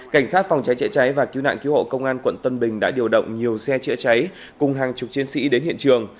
cảnh sát phòng cháy chữa cháy và cứu nạn cứu hộ công an quận tân bình đã điều động nhiều xe chữa cháy cùng hàng chục chiến sĩ đến hiện trường